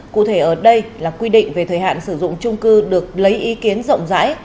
cụ thể ở đây là quy định về thời hạn sử dụng trung cư được lấy ý kiến rộng rãi